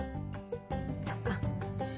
そっか。